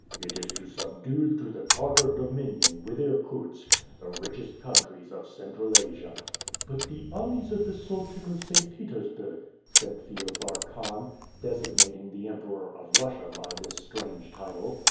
"It is to subdue to the Tartar dominion, with Irkutsk, the richest countries of Central Asia." "But the armies of the Sultan of St. Petersburg?" said Feofar Khan, designating the Emperor of Russia by this strange title.